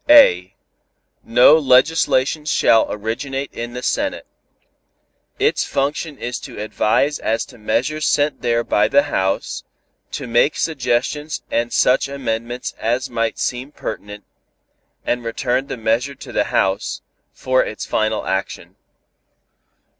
(a) No legislation shall originate in the Senate. Its function is to advise as to measures sent there by the House, to make suggestions and such amendments as might seem pertinent, and return the measure to the House, for its final action.